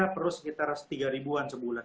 perlu sekitar rp tiga an sebulan